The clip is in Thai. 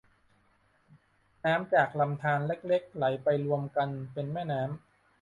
น้ำจากลำธารเล็กเล็กไหลไปรวมกันเป็นแม่น้ำ